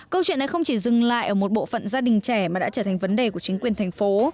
câu chuyện này không chỉ dừng lại ở một bộ phận gia đình trẻ mà đã trở thành vấn đề của chính quyền thành phố